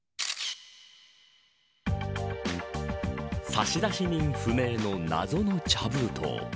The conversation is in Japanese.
差出人不明の謎の茶封筒。